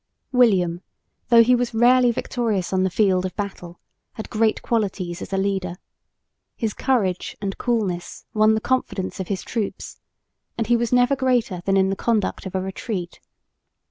William, though he was rarely victorious on the field of battle, had great qualities as a leader. His courage and coolness won the confidence of his troops, and he was never greater than in the conduct of a retreat.